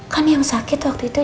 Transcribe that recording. kan yang sakit waktu itu